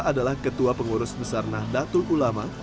adalah ketua pengurus besarnah datul ulama